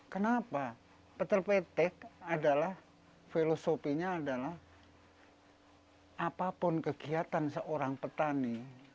kenapa petel petek adalah filosofinya adalah apapun kegiatan seorang petani